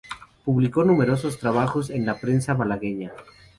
Publicó numerosos trabajos en la prensa malagueña.